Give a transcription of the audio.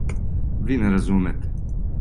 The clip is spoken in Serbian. Ви не разумете!